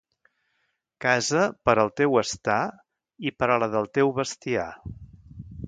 Casa per al teu estar i per a la del teu bestiar.